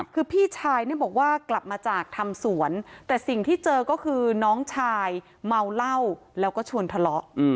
คือพี่ชายเนี่ยบอกว่ากลับมาจากทำสวนแต่สิ่งที่เจอก็คือน้องชายเมาเหล้าแล้วก็ชวนทะเลาะ